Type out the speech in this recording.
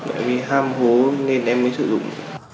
em bị ham hố nên em mới sử dụng